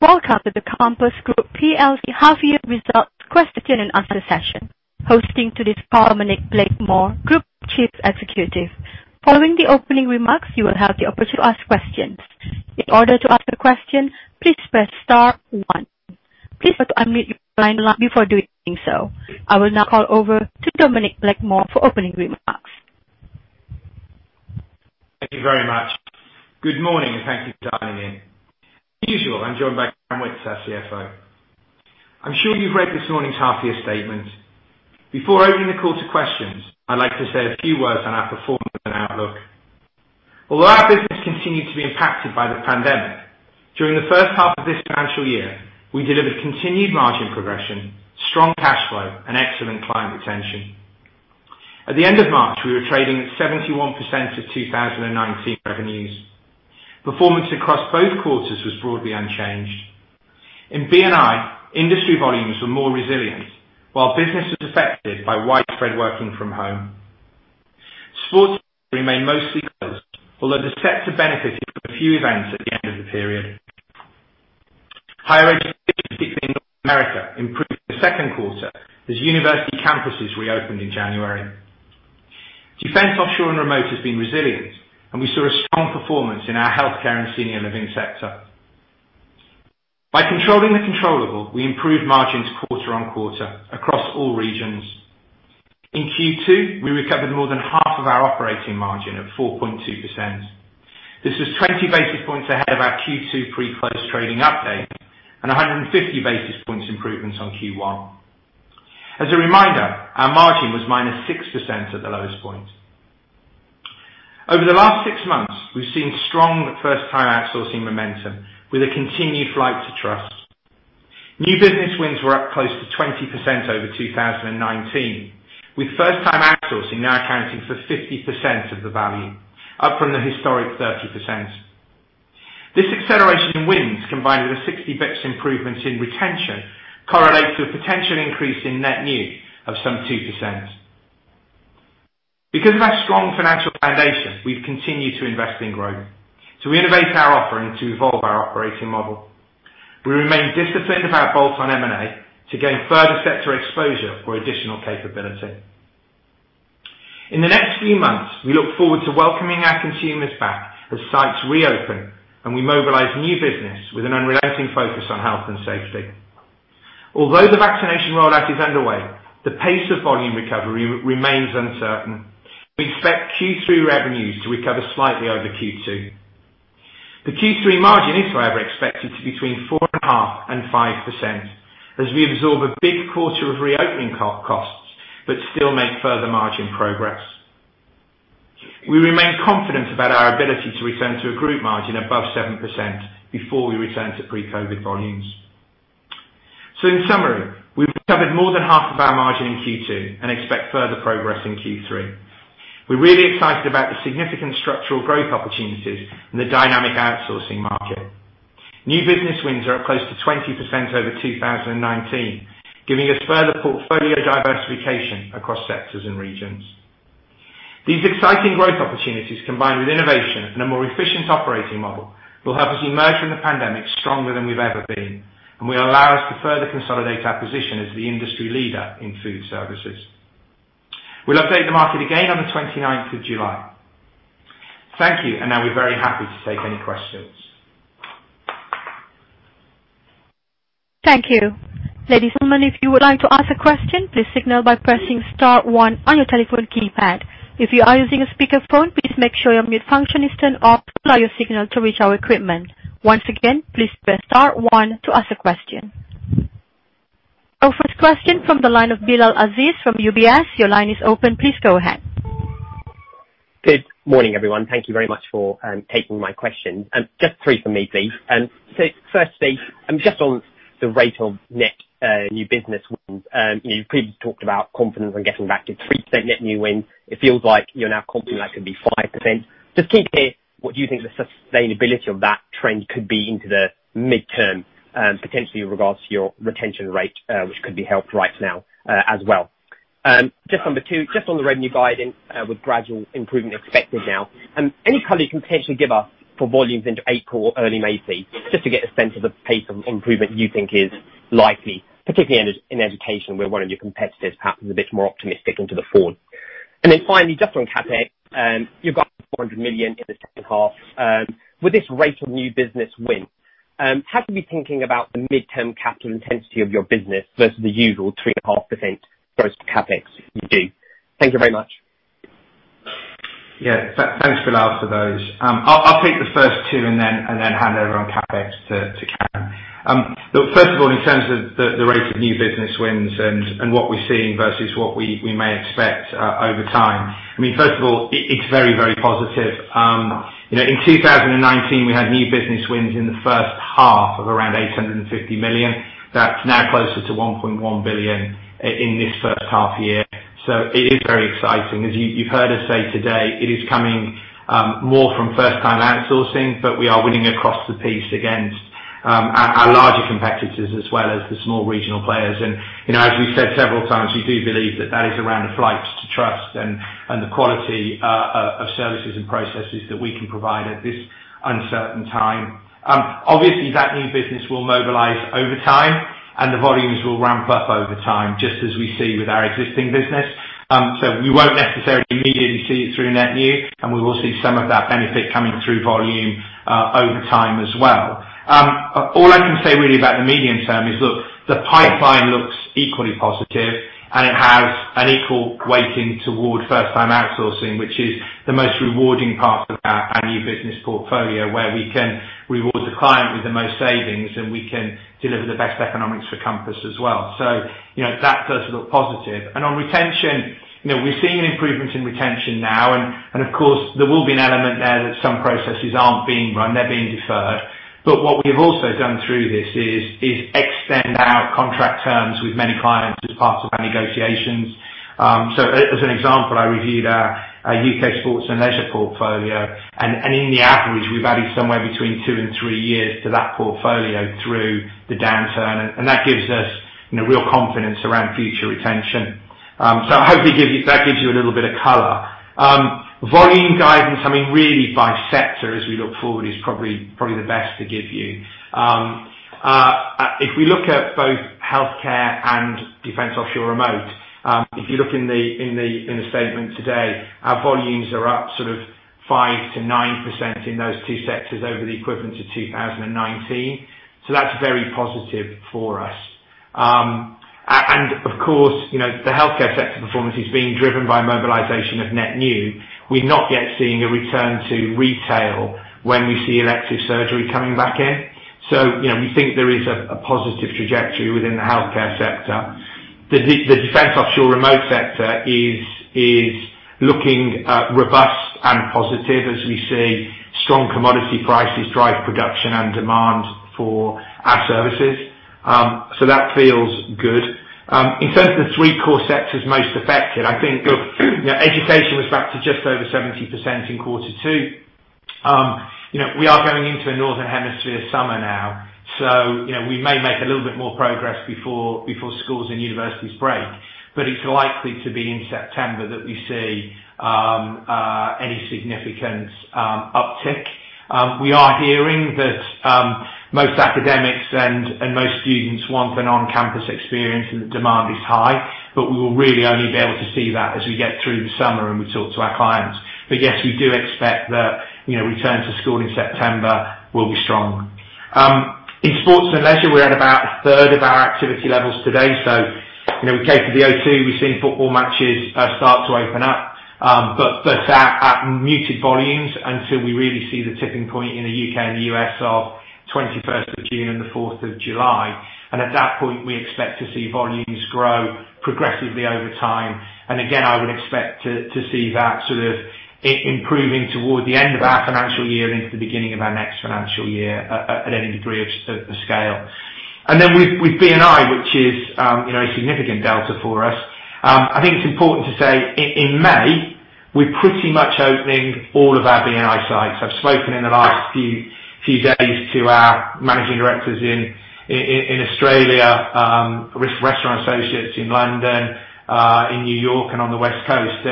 Welcome to the Compass Group PLC Half-Year Results Question and Answer Session. Hosting today's call, Dominic Blakemore, Group Chief Executive. Following the opening remarks, you will have the opportunity to ask questions. I will now call over to Dominic Blakemore for opening remarks. Thank you very much. Good morning, and thank you for dialing in. As usual, I'm joined by Karen Witts, our CFO. I'm sure you've read this morning's half-year statement. Before opening the call to questions, I'd like to say a few words on our performance and outlook. Although our business continued to be impacted by the pandemic, during the first half of this financial year, we delivered continued margin progression, strong cash flow, and excellent client retention. At the end of March, we were trading at 71% of 2019 revenues. Performance across both quarters was broadly unchanged. In B&I, industry volumes were more resilient while business was affected by widespread working from home. Sports remained mostly closed, although the sector benefited from a few events at the end of the period. Higher education, particularly in North America, improved in the second quarter as university campuses reopened in January. Defence, Offshore & Remote has been resilient. We saw a strong performance in our Healthcare and Senior Living Sector. By controlling the controllable, we improved margins quarter-on-quarter across all regions. In Q2, we recovered more than half of our operating margin of 4.2%. This was 20 basis points ahead of our Q2 pre-close trading update and 150 basis points improvements on Q1. As a reminder, our margin was -6% at the lowest point. Over the last six months, we've seen strong first-time outsourcing momentum with a continued right to trust. New business wins were up close to 20% over 2019, with first-time outsourcing now accounting for 50% of the value, up from the historic 30%. This acceleration in wins, combined with a 60 basis points improvement in retention, correlates to a potential increase in net new of some 2%. Because of our strong financial foundation, we've continued to invest in growth to innovate our offering to evolve our operating model. We remain disciplined about both on M&A to gain further sector exposure or additional capability. In the next few months, we look forward to welcoming our consumers back as sites reopen, and we mobilize new business with an unrelenting focus on health and safety. Although the vaccination rollout is underway, the pace of volume recovery remains uncertain. We expect Q3 revenues to recover slightly over Q2. The Q3 margin is, however, expected to between 4.5% and 5% as we absorb a big quarter of reopening costs but still make further margin progress. We remain confident about our ability to return to a group margin above 7% before we return to pre-COVID volumes. In summary, we've recovered more than half of our margin in Q2 and expect further progress in Q3. We're really excited about the significant structural growth opportunities in the dynamic outsourcing market. New business wins are up close to 20% over 2019, giving us further portfolio diversification across sectors and regions. These exciting growth opportunities, combined with innovation and a more efficient operating model, will help us emerge from the pandemic stronger than we've ever been, and will allow us to further consolidate our position as the industry leader in food services. We'll update the market again on the 29th of July. Thank you. Now we're very happy to take any questions. Thank you, ladies and gentlemen, if you would like to ask a question, please signal by pressing star one on your telephone keypad. If you are using a speakerphone, please make sure your mute function is turned off to allow your signal to reach our equipment. Once again, please press star one to ask a question. Our first question from the line of Bilal Aziz from UBS, your line is open, please go ahead. Good morning, everyone. Thank you very much for taking my question. Just three from me, please. Firstly, just on the rate of net new business wins. You previously talked about confidence on getting back to 3% net new wins. It feels like you're now confident that could be 5%. Just keen to hear what you think the sustainability of that trend could be into the midterm, potentially in regards to your retention rate, which could be helped right now as well. Just number two, just on the revenue guidance with gradual improvement expected now. Any color you can potentially give us for volumes into April, early May please, just to get a sense of the pace of improvement you think is likely, particularly in education, where one of your competitors perhaps is a bit more optimistic into the fall. Finally, just on CapEx, you've got 400 million in the second half. With this rate of new business wins, how can we be thinking about the midterm capital intensity of your business versus the usual 3.5% versus CapEx if you do? Thank you very much. Yeah, thanks, Bilal, for those. I'll take the first two and then hand over on CapEx to Karen. First of all, in terms of the rate of new business wins and what we're seeing versus what we may expect over time. First of all, it's very, very positive. In 2019, we had new business wins in the first half of around 850 million. That's now closer to 1.1 billion in this first half-year. It is very exciting. As you've heard us say today, it is coming more from first-time outsourcing, we are winning across the piece against our large competitors as well as the small regional players. As we've said several times, we do believe that that is around flights to trust and the quality of services and processes that we can provide at this uncertain time. That new business will mobilize over time. The volumes will ramp up over time, just as we see with our existing business. We won't necessarily immediately see it through net new. We will see some of that benefit coming through volume over time as well. All I can say really about the medium term is, look, the pipeline looks equally positive and it has an equal weighting toward first-time outsourcing, which is the most rewarding part of our new business portfolio, where we can reward the client with the most savings, and we can deliver the best economics for Compass as well. That does look positive. On retention, we're seeing improvements in retention now. Of course, there will be an element there that some processes aren't being run, they're being deferred. What we've also done through this is extend out contract terms with many clients as part of our negotiations. As an example, I reviewed our U.K. sports and leisure portfolio, and in the average, we've added somewhere between two and three years to that portfolio through the downturn, and that gives us real confidence around future retention. I hope that gives you a little bit of color. Volume guidance, really by sector as we look forward, is probably the best to give you. If we look at both healthcare and Defence, Offshore & Remote, if you look in the statement today, our volumes are up 5%-9% in those two sectors over the equivalent of 2019, that's very positive for us. Of course, the healthcare sector performance is being driven by mobilization of net new. We've not yet seen a return to retail when we see elective surgery coming back in. We think there is a positive trajectory within the healthcare sector. The Defence, Offshore & Remote sector is looking robust and positive as we see strong commodity prices drive production and demand for our services. That feels good. In terms of the three core sectors most affected, I think, look, education was back to just over 70% in quarter two. We are going into a Northern Hemisphere summer now; we may make a little bit more progress before schools and universities break. It's likely to be in September that we see any significant uptick. We are hearing that most academics and most students want an on-campus experience, and the demand is high, but we will really only be able to see that as we get through the summer and we talk to our clients. Yes, we do expect that return to school in September will be strong. In sports and leisure, we're at about 1/3 of our activity levels today. We cater the O2, we've seen football matches start to open up, but at muted volumes until we really see the tipping point in the U.K. and the U.S. of 21st of June and the fourth of July. At that point, we expect to see volumes grow progressively over time. Again, I would expect to see that improving toward the end of our financial year into the beginning of our next financial year at any degree of scale. With B&I, which is a significant delta for us, I think it's important to say, in May, we're pretty much opening all of our B&I sites. I've spoken in the last few days to our managing directors in Australia, Restaurant Associates in London, in New York, and on the West Coast.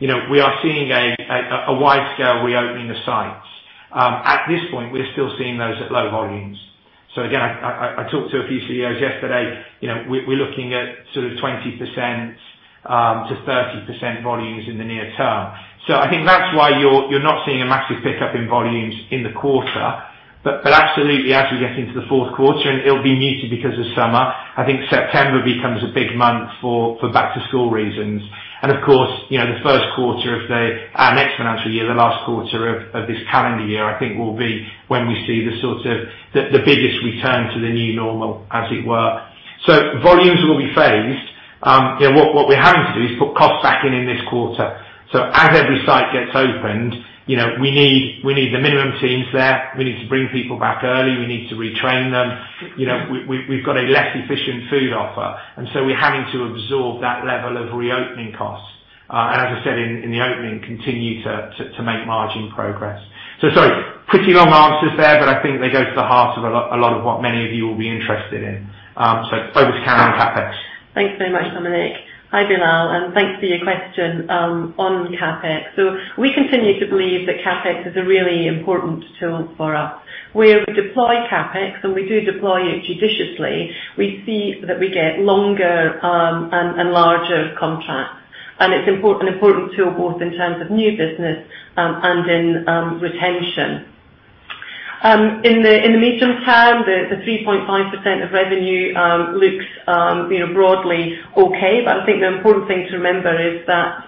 We are seeing a wide-scale reopening of sites. At this point, we're still seeing those at low volumes. Again, I talked to a few CEOs yesterday. We're looking at 20%-30% volumes in the near term. I think that's why you're not seeing a massive pickup in volumes in the quarter. Absolutely, as we get into the fourth quarter, and it'll be muted because of summer, I think September becomes a big month for back-to-school reasons. Of course, the first quarter of our next financial year, the last quarter of this calendar year, I think, will be when we see the biggest return to the new normal, as it were. Volumes will be phased. What we're having to do is put costs back in in this quarter. As every site gets opened, we need the minimum teams there. We need to bring people back early. We need to retrain them. We've got a less efficient food offer. So we're having to absorb that level of reopening costs. As I said in the opening, continue to make margin progress. Sorry, pretty long answers there, but I think they go to the heart of a lot of what many of you will be interested in. Over to Karen for CapEx. Thanks very much, Dominic. Hi, Bilal, and thanks for your question on CapEx. We continue to believe that CapEx is a really important tool for us. Where we deploy CapEx, and we do deploy it judiciously, we see that we get longer and larger contracts. It's an important tool both in terms of new business and in retention. In the medium term, the 3.5% of revenue looks broadly okay. I think the important thing to remember is that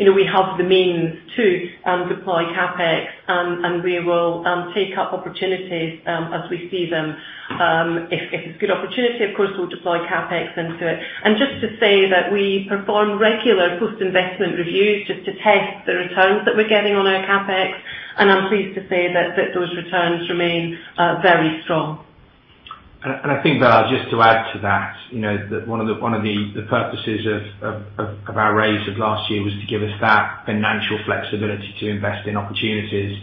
we have the means to deploy CapEx, and we will take up opportunities as we see them. If it's a good opportunity, of course, we'll deploy CapEx into it. Just to say that we perform regular post-investment reviews just to test the returns that we're getting on our CapEx, and I'm pleased to say that those returns remain very strong. I think that just to add to that, one of the purposes of our raise of last year was to give us that financial flexibility to invest in opportunities.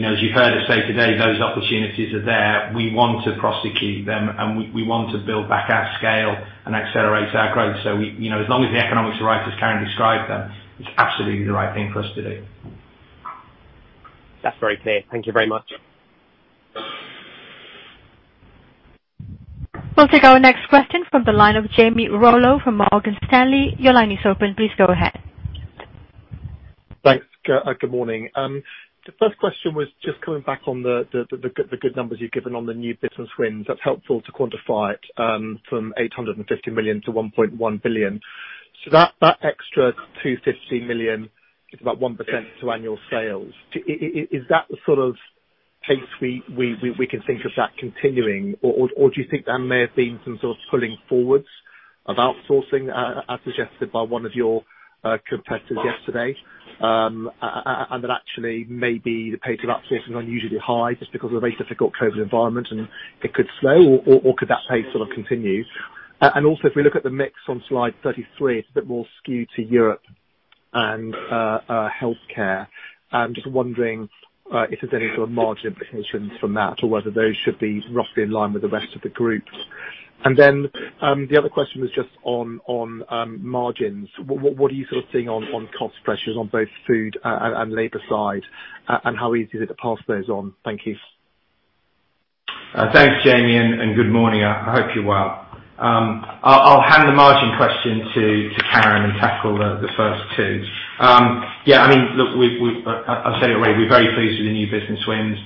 As you heard us say today, those opportunities are there. We want to prosecute them, and we want to build back our scale and accelerate our growth. As long as the economics are right, as Karen described them, it's absolutely the right thing for us to do. That's very clear, thank you very much. We'll take our next question from the line of Jamie Rollo from Morgan Stanley. Your line is open, please go ahead. Thanks, good morning. The first question was just coming back on the good numbers you've given on the new business wins. That's helpful to quantify it from 850 million-1.1 billion. That extra 250 million is about 1% to annual sales. Is that the sort of pace we can think of that continuing? Do you think that may have been some sort of pulling forwards of outsourcing, as suggested by one of your competitors yesterday? That actually maybe the pace of upsizing unusually high just because of a very difficult COVID environment, and it could slow, or could that pace sort of continue? Also, if we look at the mix on slide 33, it's a bit more skewed to Europe and healthcare. I'm just wondering if there's any sort of margin implications from that or whether those should be roughly in line with the rest of the group. The other question was just on margins. What are you sort of seeing on cost pressures on both food and labor side, and how easy is it to pass those on? Thank you. Thanks, Jamie, and good morning. I hope you're well; I'll hand the margin question to Karen and tackle the first two. I said it already, we're very pleased with the new business wins.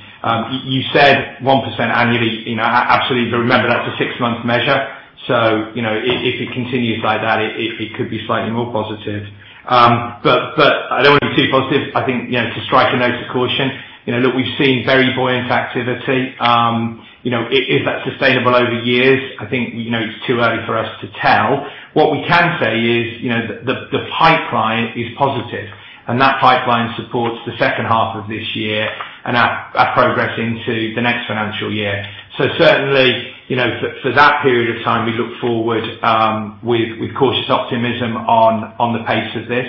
You said 1% annually, absolutely, remember, that's a six-month measure. If it continues like that, it could be slightly more positive. I don't want to be too positive; I think to strike a note of caution. Look, we've seen very buoyant activity. Is that sustainable over years? I think it's too early for us to tell. What we can say is the pipeline is positive. That pipeline supports the second half of this year and our progress into the next financial year. Certainly, for that period of time, we look forward with cautious optimism on the pace of this.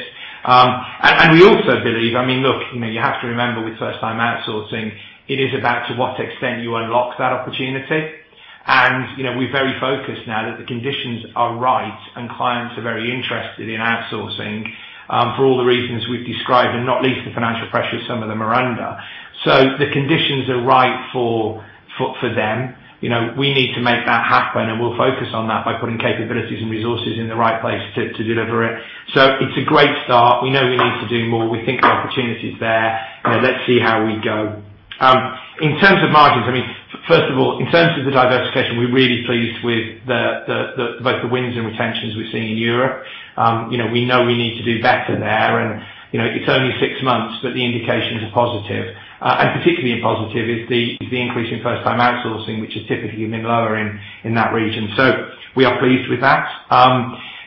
We also believe, you have to remember with first-time outsourcing, it is about to what extent you unlock that opportunity. We're very focused now that the conditions are right and clients are very interested in outsourcing for all the reasons we've described, and not least the financial pressures some of them are under. The conditions are right for them. We need to make that happen, and we'll focus on that by putting capabilities and resources in the right place to deliver it. It's a great start. We know we need to do more. We think the opportunity is there. Let's see how we go. In terms of margins, first of all, in terms of the diversification, we're really pleased with both the wins and retentions we're seeing in Europe. We know we need to do better there, and it's only six months, but the indications are positive. Particularly positive is the increase in first-time outsourcing, which has typically been lower in that region. We are pleased with that.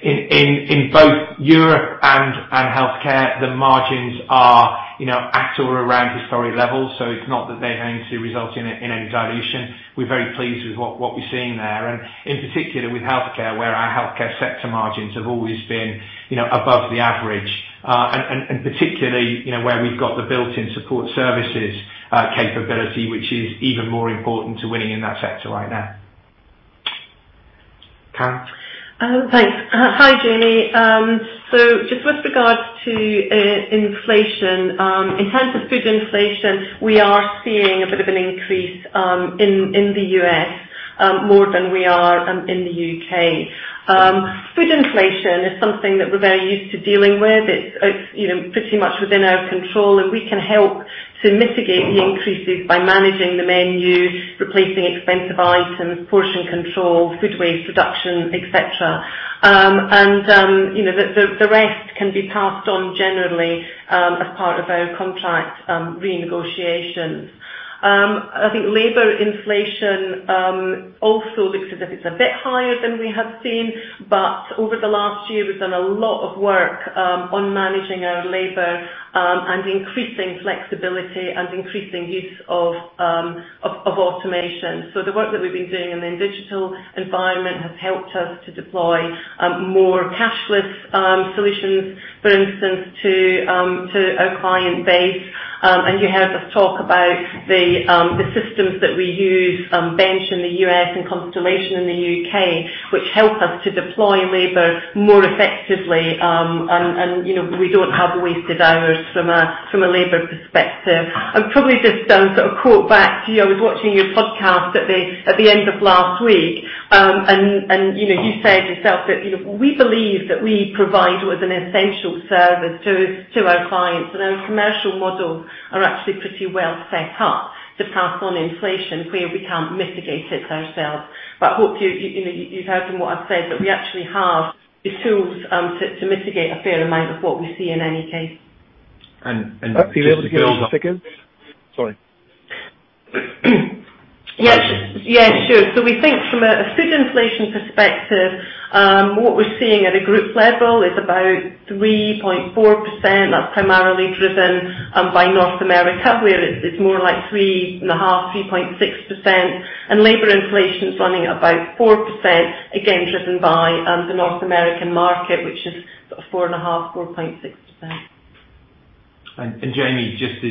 In both Europe and healthcare, the margins are at or around historic levels, so it's not that they're going to result in any dilution. We're very pleased with what we're seeing there, and in particular with healthcare, where our healthcare sector margins have always been above the average. Particularly, where we've got the built-in support services capability, which is even more important to winning in that sector right now. Karen? Thanks, hi, Jamie. Just with regards to inflation, in terms of food inflation, we are seeing a bit of an increase in the U.S. more than we are in the U.K. Food inflation is something that we're very used to dealing with. It's pretty much within our control, and we can help to mitigate the increases by managing the menus, replacing expensive items, portion control, food waste reduction, et cetera. The rest can be passed on generally as part of our contract renegotiations. I think labor inflation also looks as if it's a bit higher than we have seen, but over the last year, we've done a lot of work on managing our labor and increasing flexibility and increasing use of automation. The work that we've been doing in the digital environment has helped us to deploy more cashless solutions, for instance, to our client base. You heard us talk about the systems that we use, Bench in the U.S. and Constellation in the U.K., which help us to deploy labor more effectively, and we don't have wasted hours from a labor perspective. Probably just sort of quote back to you, I was watching your podcast at the end of last week, and you said yourself that we believe that we provide what is an essential service to our clients, and our commercial model are actually pretty well set up to pass on inflation where we can't mitigate it ourselves. I hope you heard from what I've said, that we actually have the tools to mitigate a fair amount of what we see in any case. And just to build- Are you able to hear me? Sorry. Yes, sure, we think from a food inflation perspective, what we're seeing at a group level is about 3.4%. That's primarily driven by North America, where it's more like 3.5%, 3.6%. Labor inflation is running at about 4%, again, driven by the North American market, which is 4.5%, 4.6%. Jamie, just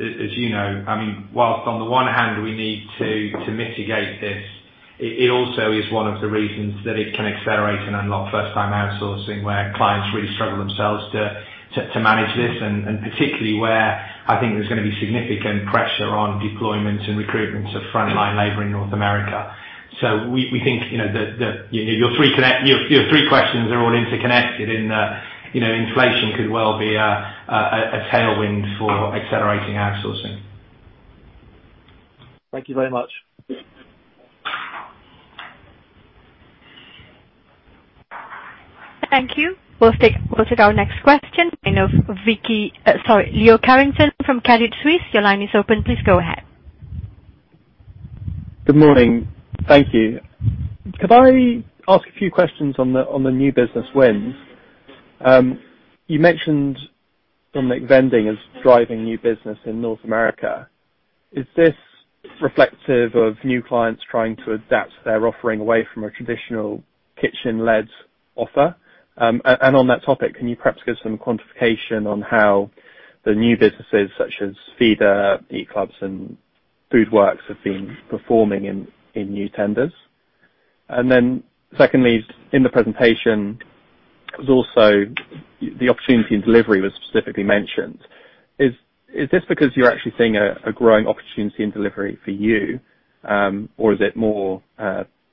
as you know, whilst on the one hand we need to mitigate this, it also is one of the reasons that it can accelerate and unlock first-time outsourcing, where clients really struggle themselves to manage this, and particularly where I think there's going to be significant pressure on deployment and recruitment of frontline labor in North America. We think that your three questions are all interconnected in that inflation could well be a tailwind for accelerating outsourcing. Thank you very much. Thank you, we'll take our next question. Leo Carrington from Credit Suisse, your line is open, please go ahead. Good morning, thank you. Could I ask a few questions on the new business wins? You mentioned vending as driving new business in North America. Is this reflective of new clients trying to adapt their offering away from a traditional kitchen-led offer? On that topic, can you perhaps give some quantification on how the new businesses such as Feedr, EAT Club, and FOODWORKS have been performing in new tenders? Secondly, in the presentation, the opportunity in delivery was specifically mentioned. Is this because you're actually seeing a growing opportunity in delivery for you? Or is it more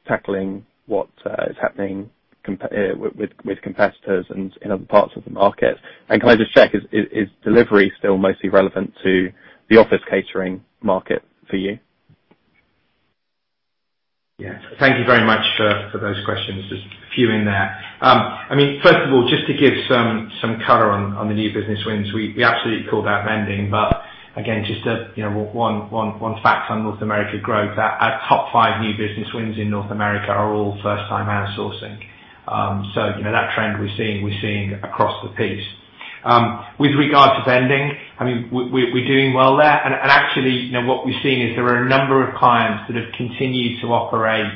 tackling what is happening with competitors and in other parts of the market? Can I just check, is delivery still mostly relevant to the office catering market for you? Yeah, thank you very much for those questions, there's a few in there. First of all, just to give some color on the new business wins, we absolutely call that vending. Again, just one fact on North America growth, our top five new business wins in North America are all first-time outsourcing. That trend we're seeing across the piece. With regard to vending, we're doing well there. Actually, what we've seen is there are a number of clients that have continued to operate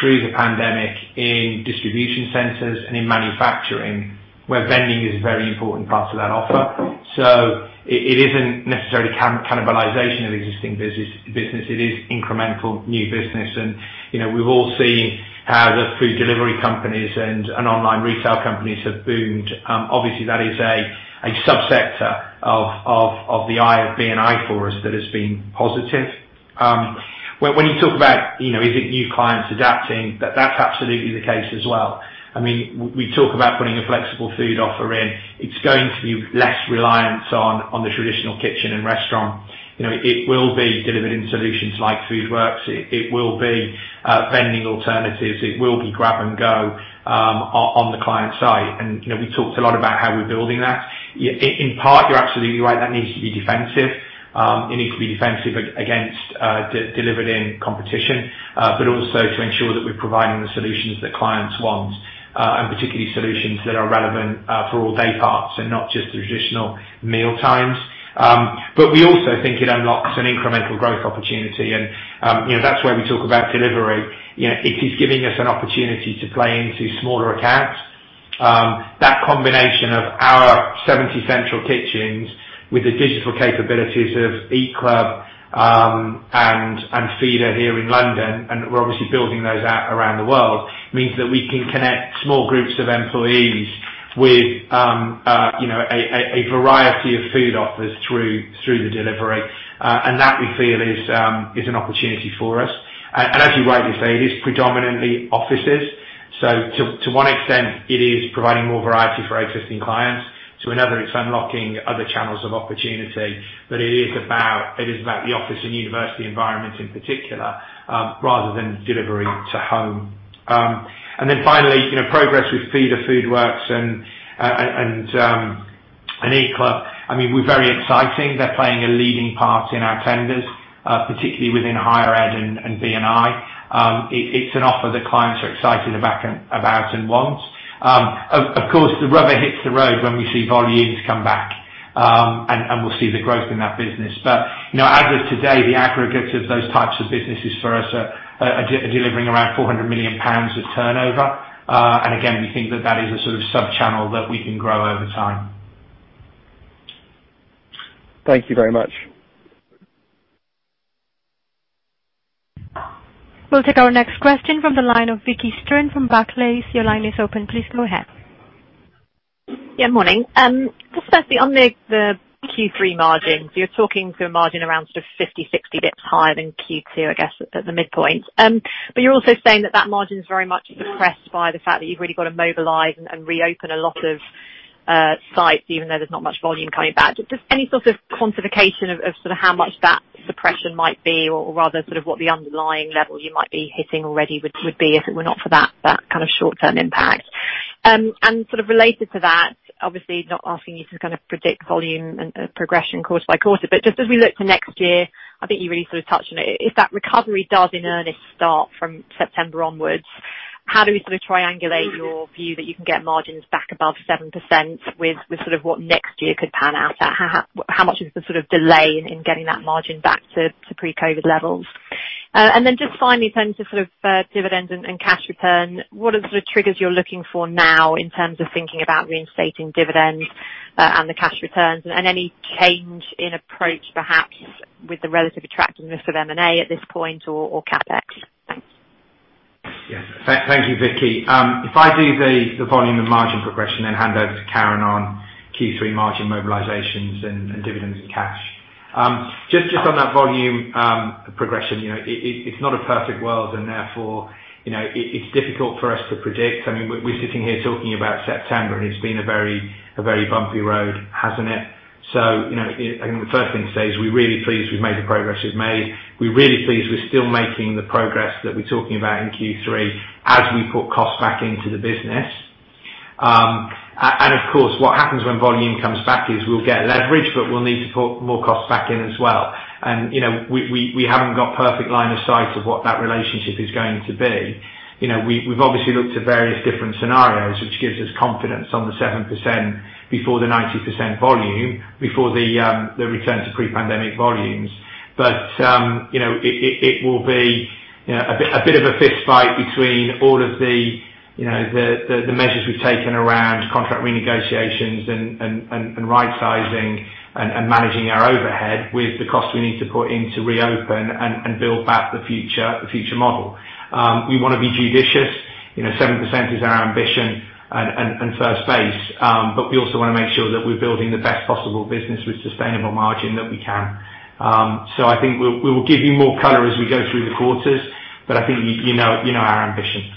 through the pandemic in distribution centers and in manufacturing, where vending is a very important part of that offer. It isn't necessarily cannibalization of existing business. It is incremental new business, and we've all seen how the food delivery companies and online retail companies have boomed. Obviously, that is a sub-sector of B&I for us that has been positive. When you talk about, is it new clients adapting, that's absolutely the case as well. We talk about putting a flexible food offer in. It's going to be less reliance on the traditional kitchen and restaurant. It will be delivered in solutions like FOODWORKS. It will be vending alternatives. It will be grab-and-go on the client side. We talked a lot about how we're building that. In part, you're absolutely right. That needs to be defensive. It needs to be defensive against delivered in competition, but also to ensure that we're providing the solutions that clients want, and particularly solutions that are relevant for all day parts and not just the traditional mealtimes. We also think it unlocks an incremental growth opportunity, and that's where we talk about delivery. It is giving us an opportunity to play into smaller accounts. That combination of our 70 central kitchens with the digital capabilities of EAT Club and Feedr here in London, and we're obviously building those out around the world, means that we can connect small groups of employees with a variety of food offers through the delivery. That we feel is an opportunity for us. As you rightly say, it is predominantly offices. To one extent, it is providing more variety for existing clients. To another, it's unlocking other channels of opportunity. It is about the office and university environment in particular, rather than delivery to home. Finally, progress with Feedr, FOODWORKS, and EAT Club. We're very exciting. They're playing a leading part in our tenders, particularly within higher ed and B&I. It's an offer that clients are excited about and want. Of course, the rubber hits the road when we see volumes come back, and we'll see the growth in that business. As of today, the aggregate of those types of businesses for us are delivering around 400 million pounds of turnover. Again, we think that that is a sort of sub-channel that we can grow over time. Thank you very much. We'll take our next question from the line of Vicki Stern from Barclays. Your line is open, please go ahead. Yeah, morning. Just firstly, on the Q3 margins, you're talking through a margin around sort of 50 basis points, 60 basis points higher than Q2, I guess, at the midpoint. You're also saying that that margin is very much suppressed by the fact that you've really got to mobilize and reopen a lot of sites, even though there's not much volume coming back. Just any sort of quantification of how much that suppression might be, or rather, sort of what the underlying level you might be hitting already would be if it were not for that kind of short-term impact? Sort of related to that, obviously not asking you to kind of predict volume and progression quarter by quarter, but just as we look to next year, I think you really sort of touched on it. If that recovery does in earnest start from September onwards, how do we sort of triangulate your view that you can get margins back above 7% with sort of what next year could pan out at? How much is the sort of delay in getting that margin back to pre-COVID levels? Just finally, in terms of sort of dividend and cash return, what are the sort of triggers you're looking for now in terms of thinking about reinstating dividends and the cash returns and any change in approach perhaps with the relative attractiveness of M&A at this point or CapEx? Thanks. Yes, thank you, Vicki. If I do the volume and margin progression then hand over to Karen on Q3 margin mobilizations and dividends and cash. Just on that volume progression, it's not a perfect world and therefore, it's difficult for us to predict. I mean, we're sitting here talking about September, and it's been a very bumpy road, hasn't it? I think the first thing to say is we're really pleased we've made the progress we've made. We're really pleased we're still making the progress that we're talking about in Q3 as we put cost back into the business. Of course, what happens when volume comes back is we'll get leverage, but we'll need to put more cost back in as well. We haven't got perfect line of sight of what that relationship is going to be. We've obviously looked at various different scenarios, which gives us confidence on the 7% before the 90% volume, before the return to pre-pandemic volumes. It will be a bit of a fistfight between all of the measures we've taken around contract renegotiations and right-sizing and managing our overhead with the costs we need to put in to reopen and build back the future model. We want to be judicious, 7% is our ambition and first base, but we also want to make sure that we're building the best possible business with sustainable margin that we can. I think we will give you more color as we go through the quarters, but I think you know our ambition.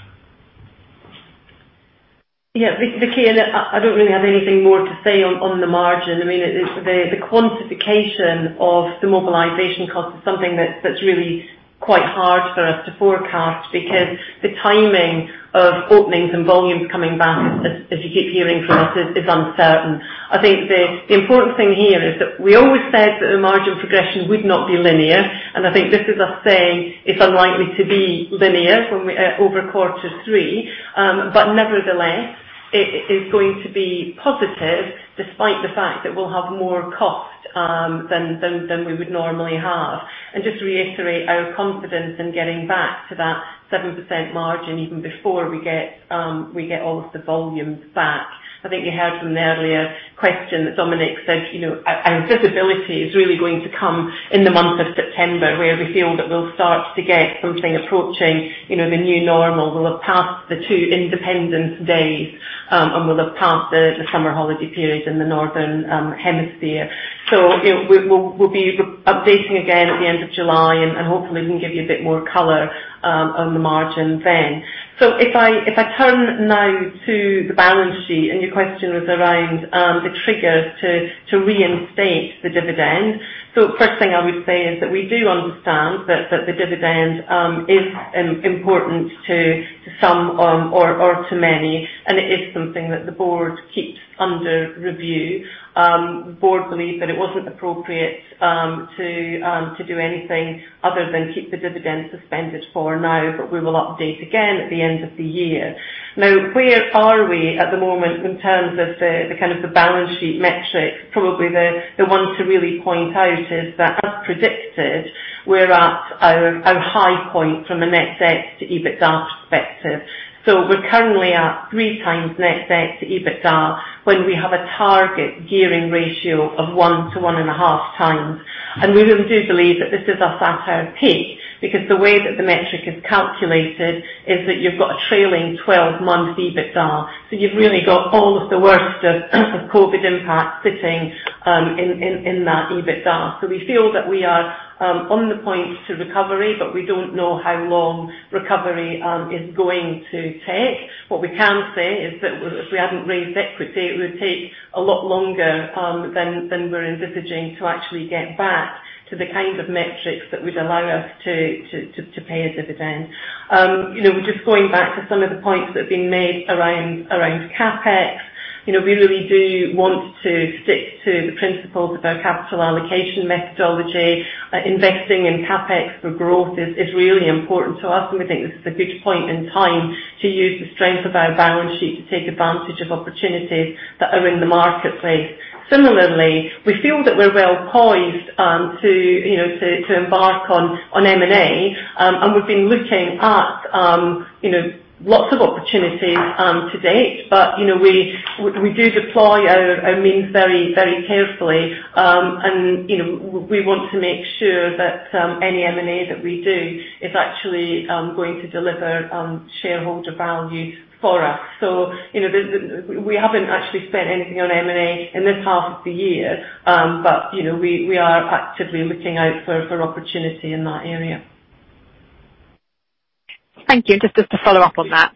Yeah, Vicki, I don't really have anything more to say on the margin. I mean, the quantification of the mobilization cost is something that's really quite hard for us to forecast because the timing of openings and volumes coming back, as you keep hearing from us, is uncertain. I think the important thing here is that we always said that the margin progression would not be linear, and I think this is us saying it's unlikely to be linear over quarter three. Nevertheless, it is going to be positive despite the fact that we'll have more cost than we would normally have. Just to reiterate our confidence in getting back to that 7% margin even before we get all of the volumes back. I think you heard from the earlier question that Dominic said our visibility is really going to come in the month of September, where we feel that we'll start to get something approaching the new normal. We'll have passed the two independent days, and we'll have passed the summer holiday period in the Northern Hemisphere. We'll be updating again at the end of July, and hopefully we can give you a bit more color on the margin then. If I turn now to the balance sheet, and your question was around the triggers to reinstate the dividend. First thing I would say is that we do understand that the dividend is important to some or to many, and it is something that the board keeps under review. The board believed that it wasn't appropriate to do anything other than keep the dividend suspended for now. We will update again at the end of the year. Where are we at the moment in terms of the kind of the balance sheet metrics? Probably the one to really point out is that as predicted, we're at our high point from a net debt to EBITDA perspective. We're currently at 3 times net debt to EBITDA when we have a target gearing ratio of 1 to 1.5 times. We do believe that this is us at our peak, because the way that the metric is calculated is that you've got a trailing 12-month EBITDA. You've really got all of the worst of COVID impact sitting in that EBITDA. We feel that we are on the point to recovery, but we don't know how long recovery is going to take. What we can say is that if we hadn't raised equity, it would take a lot longer than we're envisaging to actually get back to the kinds of metrics that would allow us to pay a dividend. Just going back to some of the points that have been made around CapEx. We really do want to stick to the principles of our capital allocation methodology. Investing in CapEx for growth is really important to us, and we think this is a good point in time to use the strength of our balance sheet to take advantage of opportunities that are in the marketplace. We feel that we're well-poised to embark on M&A, and we've been looking at lots of opportunities to date. We do deploy our means very carefully, and we want to make sure that any M&A that we do is actually going to deliver shareholder value for us. We haven't actually spent anything on M&A in this half of the year, but we are actively looking out for opportunity in that area. Thank you, just to follow up on that,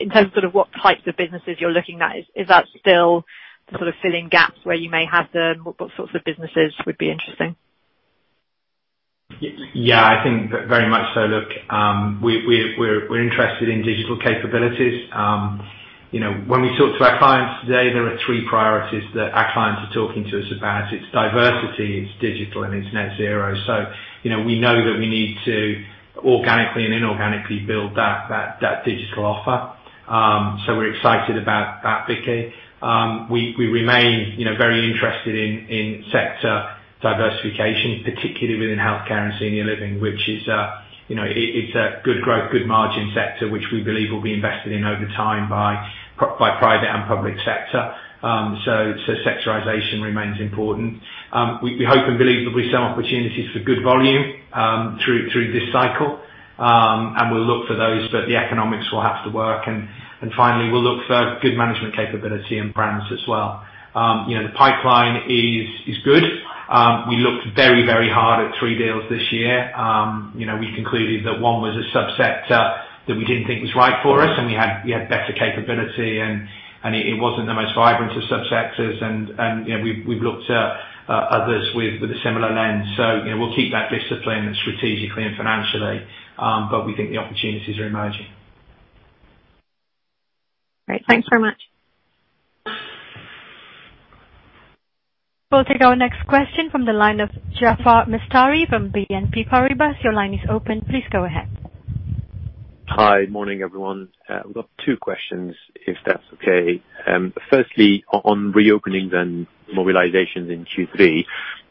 in terms of what types of businesses you're looking at, is that still the sort of filling gaps where you may have them? What sorts of businesses would be interesting? Yeah, I think very much so. Look, we're interested in digital capabilities. When we talk to our clients today, there are three priorities that our clients are talking to us about. It's diversity, it's digital, and it's net zero. We know that we need to organically and inorganically build that digital offer, so we're excited about that, Vicki. We remain very interested in sector diversification, particularly within healthcare and senior living, which is a good growth, good margin sector, which we believe will be invested in over time by private and public sector. Sectorization remains important. We hope and believe that we sell opportunities for good volume through this cycle. We'll look for those, but the economics will have to work. Finally, we'll look for good management capability and brands as well. The pipeline is good. We looked very, very hard at three deals this year. We concluded that one was a sub-sector that we didn't think was right for us, and we had better capability, and it wasn't the most vibrant of sub-sectors and we've looked at others with a similar lens. We'll keep that discipline strategically and financially, but we think the opportunities are emerging. Great, thanks so much. We'll take our next question from the line of Jaafar Mestari from BNP Paribas. Your line is open, please go ahead. Hi, morning, everyone. I've got two questions, if that's okay. Firstly, on reopenings and mobilizations in Q3,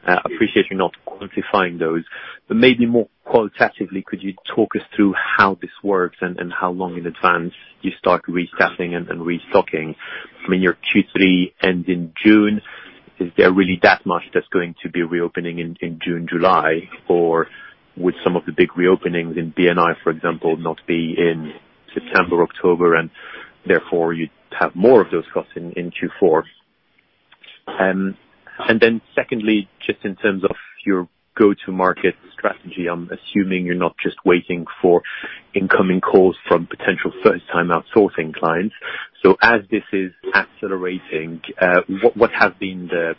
I appreciate you not quantifying those, but maybe more qualitatively, could you talk us through how this works and how long in advance you start restocking? I mean, your Q3 ends in June. Is there really that much that's going to be reopening in June, July? Would some of the big reopenings in B&I, for example, not be in September, October, and therefore you'd have more of those costs in Q4? Secondly, just in terms of your go-to market strategy, I'm assuming you're not just waiting for incoming calls from potential first-time outsourcing clients. As this is accelerating, what have been the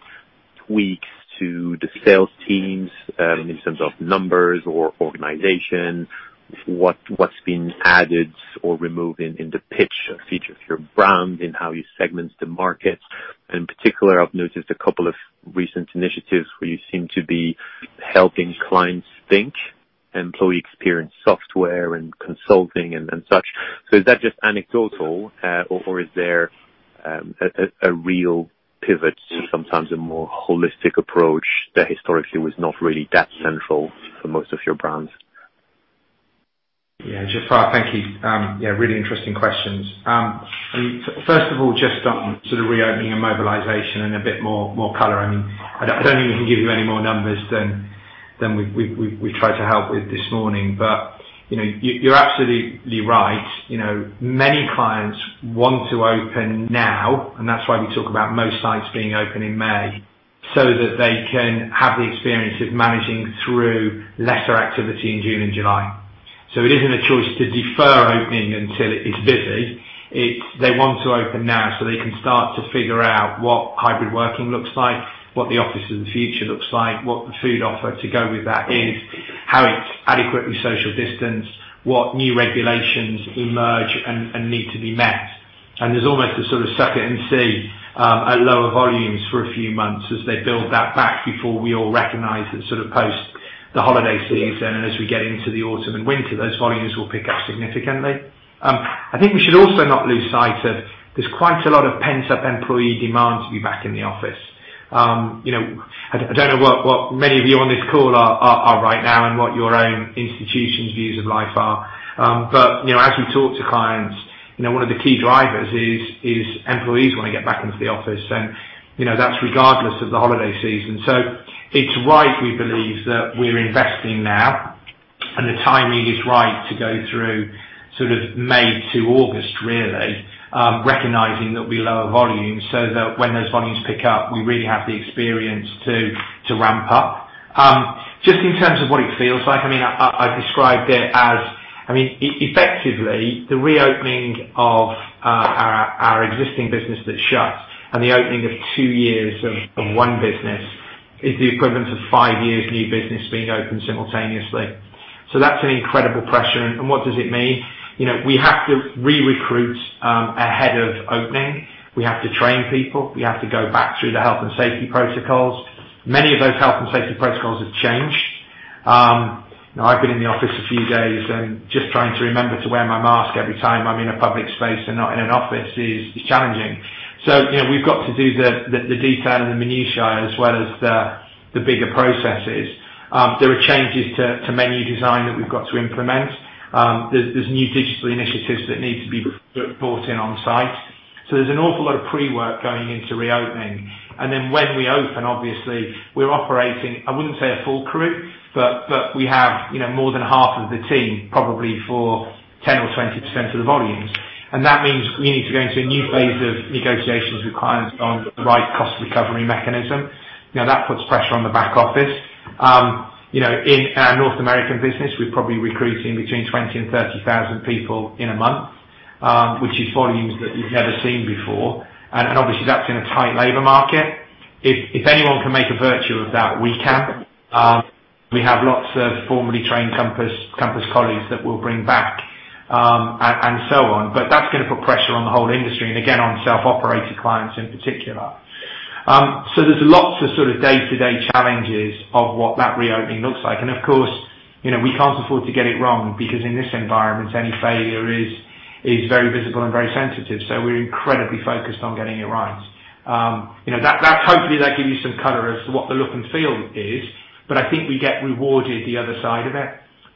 tweaks to the sales teams, in terms of numbers or organization? What's been added or removed in the pitch features your brand in how you segment the market? In particular, I've noticed a couple of recent initiatives where you seem to be helping clients think employee experience software and consulting and such. Is that just anecdotal, or is there a real pivot to sometimes a more holistic approach that historically was not really that central for most of your brands? Jaafar, thank you, really interesting questions. First of all, just on sort of reopening a mobilization and a bit more color, I don't think we can give you any more numbers than we've tried to help with this morning. You're absolutely right. Many clients want to open now, and that's why we talk about most sites being open in May, so that they can have the experience of managing through lesser activity in June and July. It isn't a choice to defer opening until it is busy. They want to open now so they can start to figure out what hybrid working looks like, what the office of the future looks like, what the food offer to go with that is, how it's adequately social distanced, what new regulations emerge and need to be met. There's almost a sort of suck it and see, at lower volumes for a few months as they build that back before we all recognize that sort of post the holiday season, and as we get into the autumn and winter, those volumes will pick up significantly. I think we should also not lose sight of, there's quite a lot of pent-up employee demand to be back in the office. I don't know what many of you on this call are right now and what your own institution's views of life are. As we talk to clients, one of the key drivers is employees want to get back into the office, and that's regardless of the holiday season. It's right, we believe, that we're investing now, and the timing is right to go through sort of May to August, really, recognizing that we lower volume so that when those volumes pick up, we really have the experience to ramp up. Just in terms of what it feels like, I described it as, effectively, the reopening of our existing business that's shut and the opening of two years of one business is the equivalent of five years of new business being open simultaneously. That's an incredible pressure, and what does it mean? We have to re-recruit ahead of opening. We have to train people. We have to go back through the health and safety protocols. Many of those health and safety protocols have changed. I've been in the office a few days, just trying to remember to wear my mask every time I'm in a public space and not in an office is challenging. We've got to do the detail and the minutia as well as the bigger processes. There are changes to menu design that we've got to implement. There's new digital initiatives that need to be brought in on-site. There's an awful lot of pre-work going into reopening, when we open, obviously we're operating, I wouldn't say a full crew, but we have more than half of the team, probably for 10% or 20% of the volumes. That means we need to go into a new phase of negotiations with clients on the right cost recovery mechanism. That puts pressure on the back office. In our North American business, we're probably recruiting between 20,000 and 30,000 people in a month. Which is volumes that you've never seen before. Obviously, that's in a tight labor market. If anyone can make a virtue of that, we can. We have lots of formally trained Compass colleagues that we'll bring back, and so on. That's going to put pressure on the whole industry, and again, on self-operated clients in particular. There's lots of day-to-day challenges of what that reopening looks like. Of course, we can't afford to get it wrong because in this environment, any failure is very visible and very sensitive. We're incredibly focused on getting it right. Hopefully, that gives you some color as to what the look and feel is. I think we get rewarded the other side of it,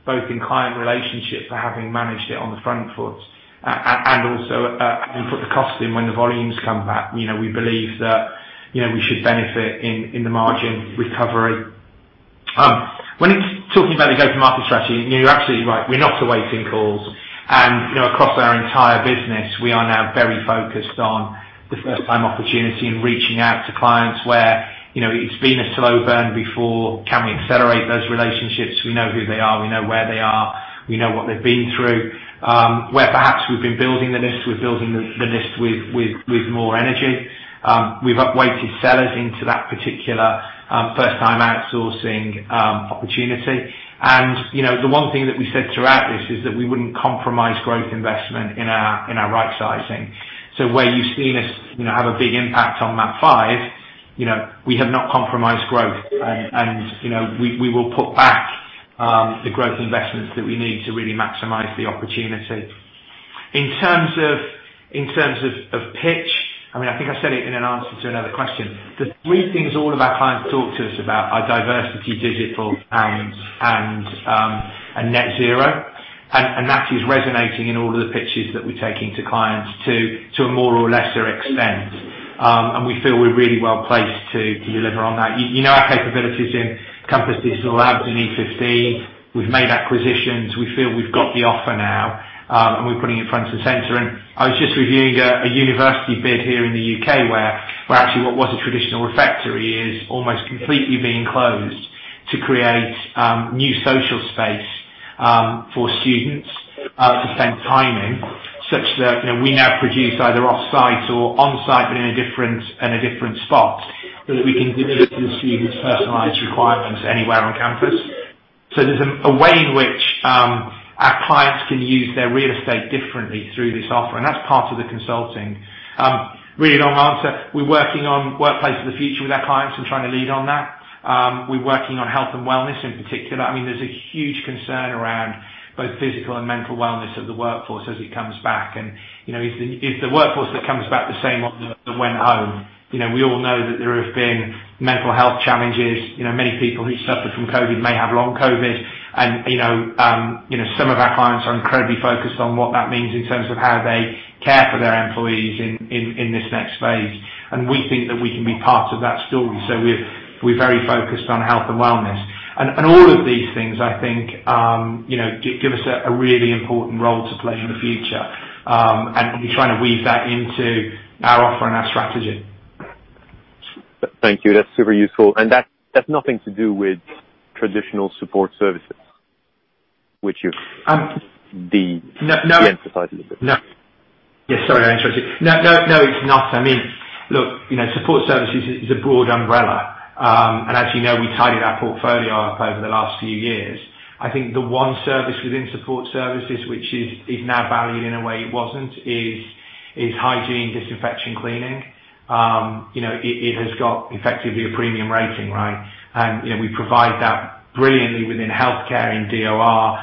both in client relationships for having managed it on the front foot and also having put the cost in when the volumes come back. We believe that we should benefit in the margin recovery. When talking about the go-to-market strategy, you're absolutely right. We're not awaiting calls. Across our entire business, we are now very focused on the first-time opportunity and reaching out to clients where it's been a slow burn before. Can we accelerate those relationships? We know who they are, we know where they are, we know what they've been through. Where perhaps we've been building the list, we're building the list with more energy. We've up-weighted sellers into that particular first-time outsourcing opportunity. The one thing that we said throughout this is that we wouldn't compromise growth investment in our right sizing. Where you've seen us have a big impact on MAP5, we have not compromised growth. We will put back the growth investments that we need to really maximize the opportunity. In terms of pitch, I think I said it in an answer to another question. The three things all of our clients talk to us about are diversity, digital, and net-zero. That is resonating in all of the pitches that we're taking to clients to a more or lesser extent. We feel we're really well-placed to deliver on that. You know our capabilities in Compass Digital Labs and E50. We've made acquisitions. We feel we've got the offer now, and we're putting it front and center. I was just reviewing a university bid here in the U.K. where actually what was a traditional refectory is almost completely being closed to create new social space for students at the same timing, such that we now produce either off-site or on-site, but in a different spot, so that we can deliver to the students' personalized requirements anywhere on campus. There's a way in which our clients can use their real estate differently through this offer, and that's part of the consulting. Really long answer. We're working on workplace of the future with our clients and trying to lead on that. We're working on health and wellness in particular. There's a huge concern around both physical and mental wellness of the workforce as it comes back. Is the workforce that comes back the same one that went home? We all know that there have been mental health challenges. Many people who suffered from COVID may have long COVID and some of our clients are incredibly focused on what that means in terms of how they care for their employees in this next phase. We think that we can be part of that story. We're very focused on health and wellness. All of these things, I think, give us a really important role to play in the future. We're trying to weave that into our offer and our strategy. Thank you, that's super useful. That's nothing to do with traditional support services, which you've de-emphasized a little bit. No, yeah, sorry, I interrupted. No, it's not. Look, support services is a broad umbrella. As you know, we tidied our portfolio up over the last few years. I think the one service within support services, which is now valued in a way it wasn't, is hygiene, disinfection, cleaning. It has got effectively a premium rating, right? We provide that brilliantly within healthcare in DOR,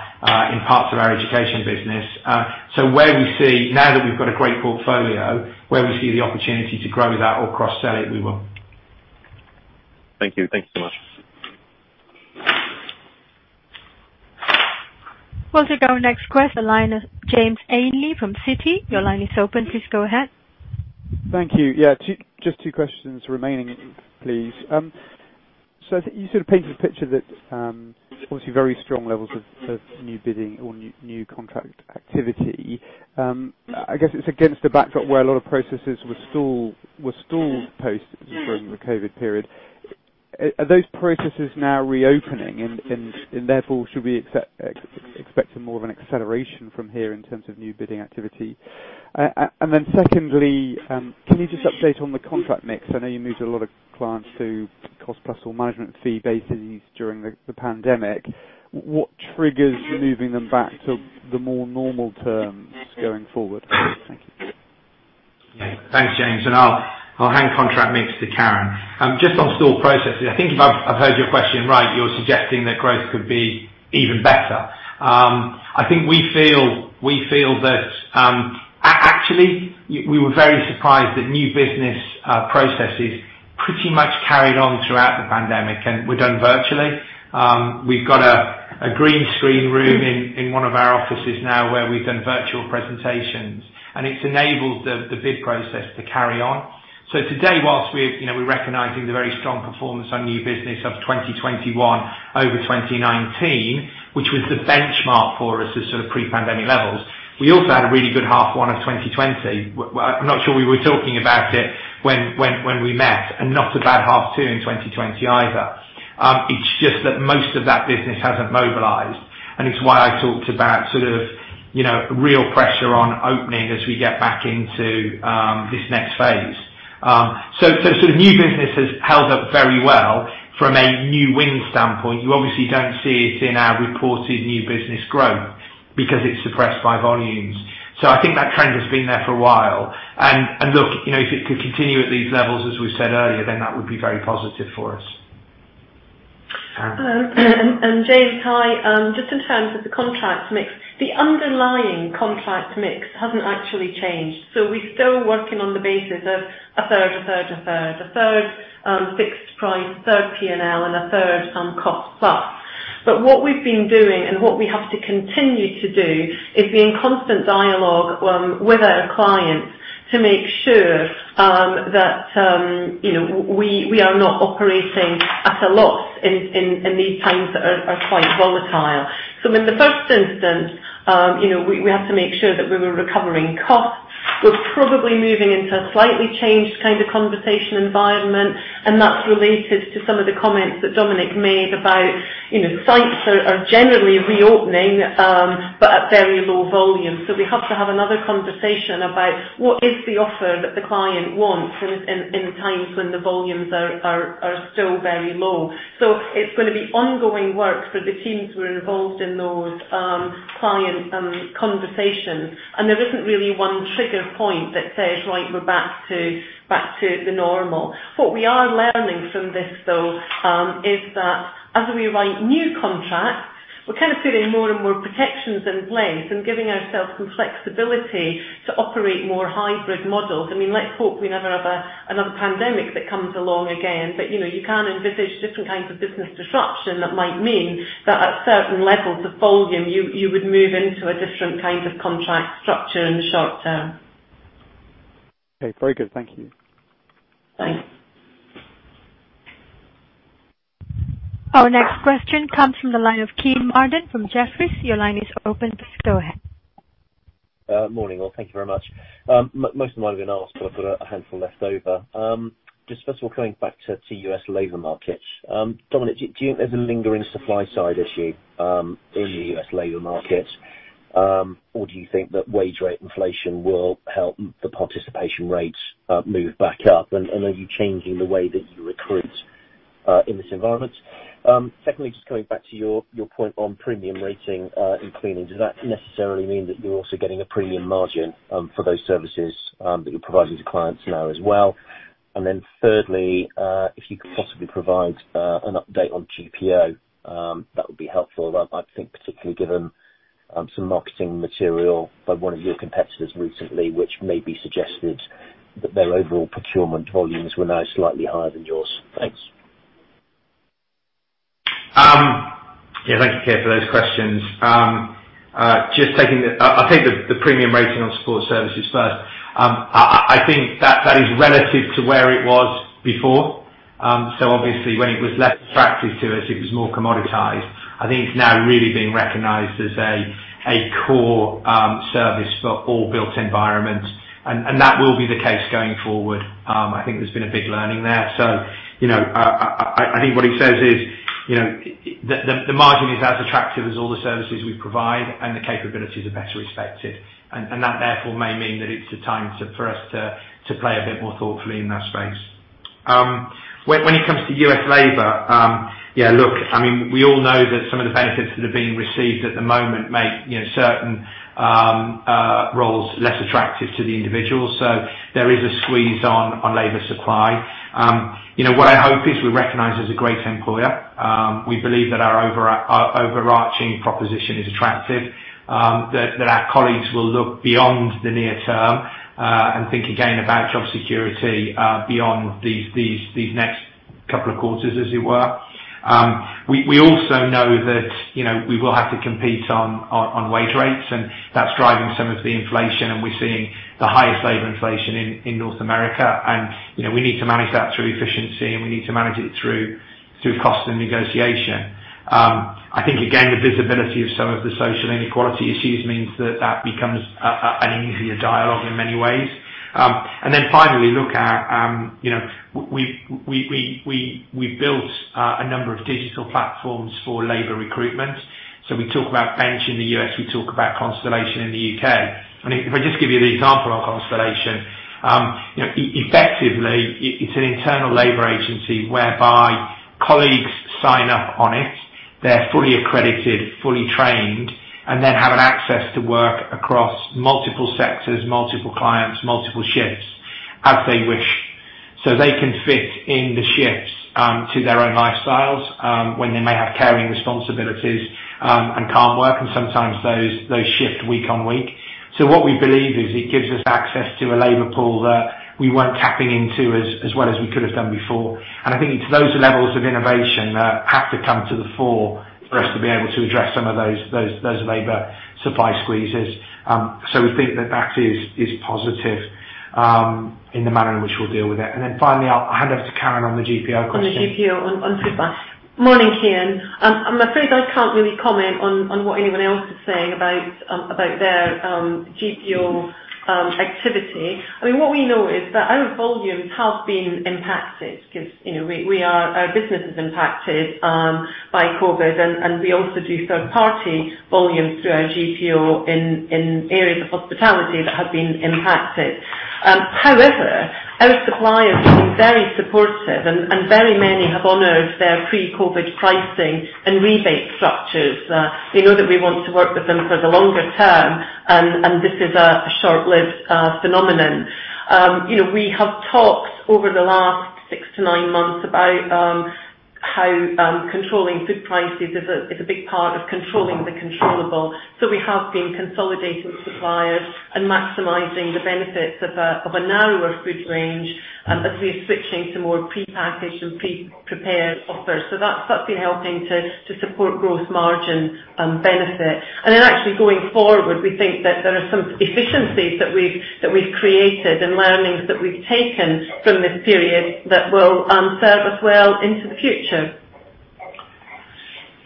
in parts of our education business. Now that we've got a great portfolio, where we see the opportunity to grow that or cross-sell it, we will. Thank you, thanks so much. We'll take our next question on the line of James Ainley from Citi. Your line is open, please go ahead. Thank you, yeah, just two questions remaining, please. I think you sort of painted a picture that obviously very strong levels of new bidding or new contract activity. I guess it's against a backdrop where a lot of processes were stalled post from the COVID period. Are those processes now reopening and therefore should we be expecting more of an acceleration from here in terms of new bidding activity? Secondly, can you just update on the contract mix? I know you moved a lot of clients to cost-plus or management fee bases during the pandemic. What triggers moving them back to the more normal terms going forward? Thank you. Yeah, thanks, James. I'll hand contract mix to Karen. Just on stalled processes, I think if I've heard your question right, you're suggesting that growth could be even better. I think we feel that actually, we were very surprised that new business processes pretty much carried on throughout the pandemic and were done virtually. We've got a green screen room in one of our offices now where we've done virtual presentations, and it's enabled the bid process to carry on. Today, whilst we're recognizing the very strong performance on new business of 2021 over 2019, which was the benchmark for us as sort of pre-pandemic levels, we also had a really good half one of 2020. I'm not sure we were talking about it when we met, and not a bad half two in 2020 either. It's just that most of that business hasn't mobilized, and it's why I talked about real pressure on opening as we get back into this next phase. New business has held up very well from a new win standpoint. You obviously don't see it in our reported new business growth because it's suppressed by volumes. I think that trend has been there for a while. Look, if it could continue at these levels, as we said earlier, then that would be very positive for us. Hello, James, hi. Just in terms of the contract mix, the underlying contract mix hasn't actually changed. We're still working on the basis of 1/3, 1/3, 1/3. 1/3 fixed price, 1/3 P&L, and 1/3 cost-plus. What we've been doing, and what we have to continue to do, is be in constant dialogue with our clients to make sure that we are not operating at a loss in these times that are quite volatile. In the first instance, we have to make sure that we were recovering costs. We're probably moving into a slightly changed kind of conversation environment, and that's related to some of the comments that Dominic made about sites are generally reopening, but at very low volume. We have to have another conversation about what is the offer that the client wants in times when the volumes are still very low. It's going to be ongoing work for the teams who are involved in those client conversations, and there isn't really one trigger point that says, right, we're back to the normal. What we are learning from this, though, is that as we write new contracts, we're kind of putting more and more protections in place and giving ourselves some flexibility to operate more hybrid models. Let's hope we never have another pandemic that comes along again, but you can envisage different kinds of business disruption that might mean that at certain levels of volume, you would move into a different kind of contract structure in the short term. Okay, very good, thank you. Thanks. Our next question comes from the line of Kean Marden from Jefferies. Your line is open, please go ahead. Morning, well, thank you very much. Most of mine have been asked, but I've got a handful left over. Just first of all, going back to U.S. labor markets. Dominic, do you think there's a lingering supply side issue in the U.S. labor market? Do you think that wage rate inflation will help the participation rates move back up? Are you changing the way that you recruit in this environment? Secondly, just going back to your point on premium rating in cleaning, does that necessarily mean that you're also getting a premium margin for those services that you're providing to clients now as well? Thirdly, if you could possibly provide an update on GPO, that would be helpful. I think particularly given some marketing material by one of your competitors recently, which maybe suggested that their overall procurement volumes were now slightly higher than yours, thanks. Yeah, thank you, Kean, for those questions. I'll take the premium rating on support services first. Obviously, when it was less attractive to us, it was more commoditized. I think it's now really being recognized as a core service for all built environments, and that will be the case going forward. I think there's been a big learning there. I think what it says is that the margin is as attractive as all the services we provide, and the capabilities are better respected. That therefore may mean that it's a time for us to play a bit more thoughtfully in that space. When it comes to U.S. labor, look, we all know that some of the benefits that are being received at the moment make certain roles less attractive to the individual. There is a squeeze on labor supply. What I hope is we recognize as a great employer, we believe that our overarching proposition is attractive, that our colleagues will look beyond the near term, and think again about job security beyond these next couple of quarters, as it were. We also know that we will have to compete on wage rates, and that's driving some of the inflation, and we're seeing the highest labor inflation in North America. We need to manage that through efficiency, and we need to manage it through cost and negotiation. I think, again, the visibility of some of the social inequality issues means that that becomes an easier dialogue in many ways. Finally, look at we built a number of digital platforms for labor recruitment. We talk about Bench in the U.S., we talk about Constellation in the U.K. If I just give you the example on Constellation, effectively, it's an internal labor agency whereby colleagues sign up on it. They're fully accredited, fully trained, and then have an access to work across multiple sectors, multiple clients, multiple shifts as they wish. They can fit in the shifts to their own lifestyles, when they may have caring responsibilities and can't work, and sometimes those shift week on week. What we believe is it gives us access to a labor pool that we weren't tapping into as well as we could have done before. I think it's those levels of innovation that have to come to the fore for us to be able to address some of those labor supply squeezes. We think that that is positive in the manner in which we'll deal with it. Finally, I'll hand over to Karen on the GPO question. On the GPO on Foodbuy. Morning, Kean, I'm afraid I can't really comment on what anyone else is saying about their GPO activity. What we know is that our volumes have been impacted because our business is impacted by COVID, and we also do third-party volumes through our GPO in areas of hospitality that have been impacted. Our suppliers have been very supportive and very many have honored their pre-COVID pricing and rebate structures. They know that we want to work with them for the longer term, and this is a short-lived phenomenon. We have talked over the last six to nine months about how controlling food prices is a big part of controlling the controllable. We have been consolidating suppliers and maximizing the benefits of a narrower food range as we are switching to more prepackaged and pre-prepared offers. That's been helping to support growth margin benefit. Actually going forward, we think that there are some efficiencies that we've created and learnings that we've taken from this period that will serve us well into the future. Can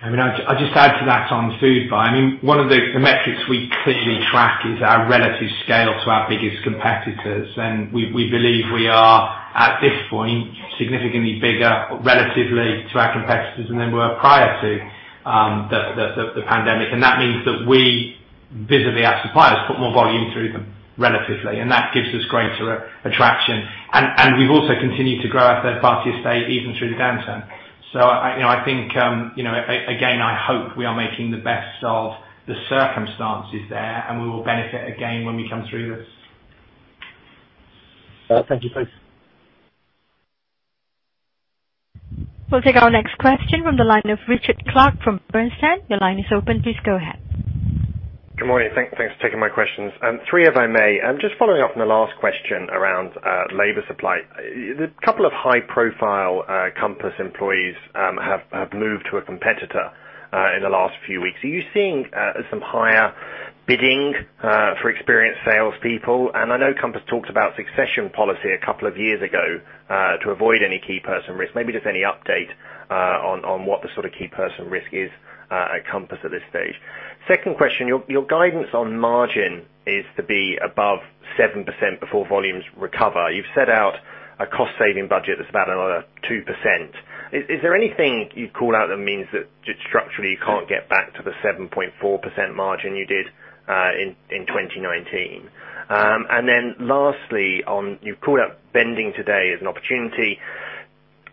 I just add to that on Foodbuy? One of the metrics we clearly track is our relative scale to our biggest competitors, and we believe we are, at this point, significantly bigger relatively to our competitors than we were prior to the pandemic. That means that we visit our suppliers, put more volume through them relatively, and that gives us greater attraction. We've also continued to grow our third-party estate even through the downturn. I think, again, I hope we are making the best of the circumstances there, and we will benefit again when we come through this. Thank you, please. We'll take our next question from the line of Richard Clarke from Bernstein. Your line is open, please go ahead. Good morning, thanks for taking my questions. Three, if I may, just following up on the last question around labor supply. A couple of high-profile Compass employees have moved to a competitor in the last few weeks. Are you seeing some higher bidding for experienced salespeople? I know Compass talked about succession policy a couple of years ago to avoid any key person risk. Maybe just any update on what the sort of key person risk is at Compass at this stage. Second question, your guidance on margin is to be above 7% before volumes recover. You've set out a cost-saving budget that's about another 2%. Is there anything you'd call out that means that just structurally you can't get back to the 7.4% margin you did in 2019? Lastly, you've called out vending today as an opportunity.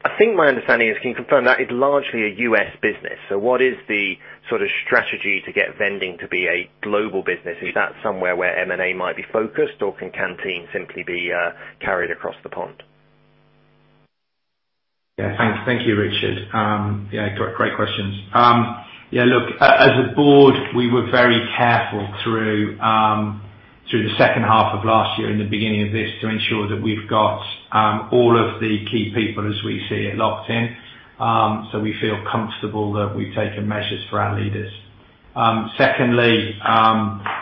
I think my understanding is, can you confirm, that is largely a U.S. business? What is the sort of strategy to get vending to be a global business? Is that somewhere where M&A might be focused, or can Canteen simply be carried across the pond? Yeah, thank you, Richard. Yeah, great questions. Look, as a board, we were very careful through the second half of last year and the beginning of this to ensure that we've got all of the key people as we see it locked in. We feel comfortable that we've taken measures for our leaders. Secondly,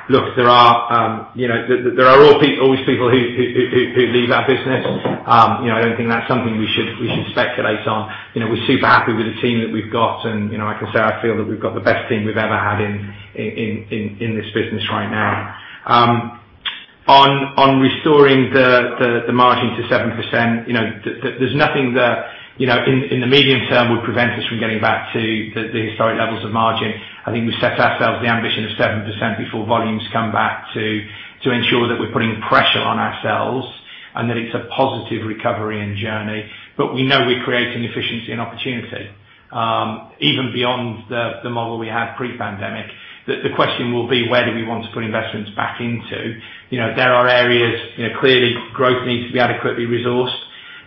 look, there are always people who leave our business. I don't think that's something we should speculate on. We're super happy with the team that we've got, and I can say I feel that we've got the best team we've ever had in this business right now. On restoring the margin to 7%, there's nothing that in the medium term would prevent us from getting back to the historic levels of margin. I think we set ourselves the ambition of 7% before volumes come back to ensure that we're putting pressure on ourselves and that it's a positive recovery and journey. We know we're creating efficiency and opportunity, even beyond the model we had pre-pandemic. The question will be where do we want to put investments back into? There are areas, clearly growth needs to be adequately resourced.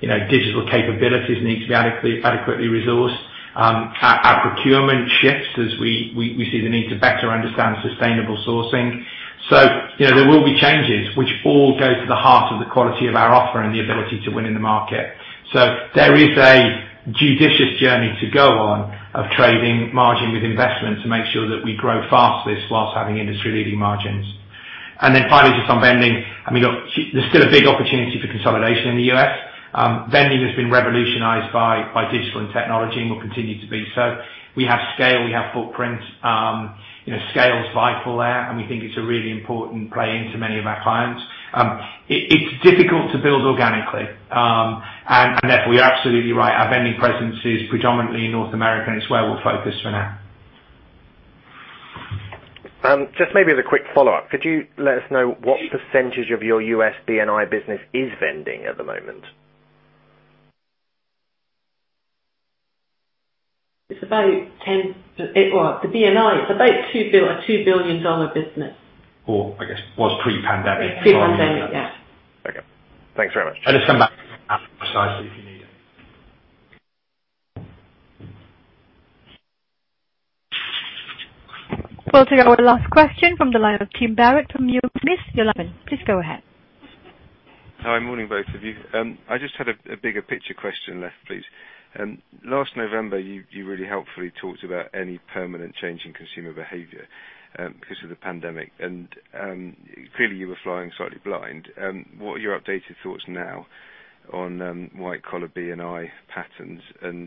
Digital capabilities need to be adequately resourced. Our procurement shifts as we see the need to better understand sustainable sourcing. There will be changes which all go to the heart of the quality of our offer and the ability to win in the market. There is a judicious journey to go on of trading margin with investment to make sure that we grow fastest whilst having industry-leading margins. Finally, just on vending, there's still a big opportunity for consolidation in the U.S. Vending has been revolutionized by digital and technology and will continue to be so. We have scale, we have footprint. Scale is vital there, and we think it's a really important play into many of our clients. It's difficult to build organically, and therefore, you're absolutely right, our vending presence is predominantly in North America, and it's where we'll focus for now. Just maybe as a quick follow-up, could you let us know what percentage of your U.S. B&I business is vending at the moment? The B&I is about a GBP 2 billion business. I guess was pre-pandemic. Pre-pandemic, yeah. Okay, thanks very much. I'll just come back precisely if you need it. We'll take our last question from the line of Tim Barrett from Numis. Your line is, please go ahead. Hi, morning, both of you. I just had a bigger picture question left, please. Last November, you really helpfully talked about any permanent change in consumer behavior because of the pandemic. Clearly you were flying slightly blind. What are your updated thoughts now on white collar B&I patterns and?